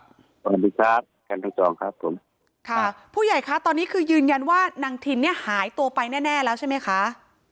สวัสดีครับท่านทั้งสองครับผมค่ะผู้ใหญ่คะตอนนี้คือยืนยันว่านางทินเนี่ยหายตัวไปแน่แน่แล้วใช่ไหมคะ